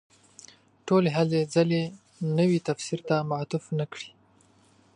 ټولې هلې ځلې نوي تفسیر ته معطوف نه کړي.